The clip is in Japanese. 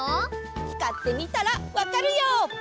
つかってみたらわかるよ！